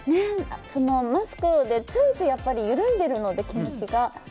マスクでついつい緩んでいるので気持ちが。